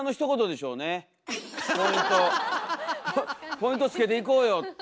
ポイントつけていこうよっていう。